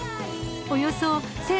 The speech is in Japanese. ［およそ